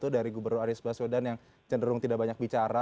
dari gubernur anies baswedan yang cenderung tidak banyak bicara